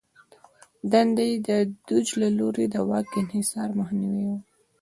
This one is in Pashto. دنده یې د دوج له لوري د واک انحصار مخنیوی و